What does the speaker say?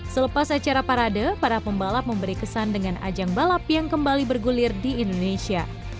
selepas acara parade para pembalap memberi kesan dengan ajang balap yang kembali bergulir di indonesia